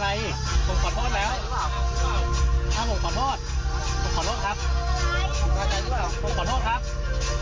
แกหมดเทปฏิบัน